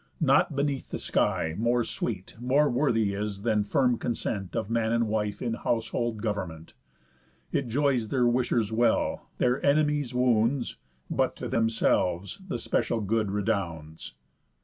Nought beneath the sky More sweet, more worthy is, than firm consent Of man and wife in household government. It joys their wishers well, their enemies wounds, But to themselves the special good redounds."